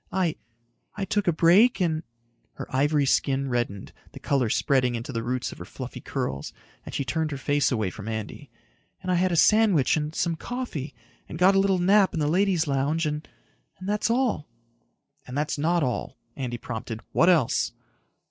"I ... I took a break and...." Her ivory skin reddened, the color spreading into the roots of her fluffy curls, and she turned her face away from Andy. "And I had a sandwich and some coffee and got a little nap in the ladies' lounge and ... and that's all." "And that's not all," Andy prompted. "What else?"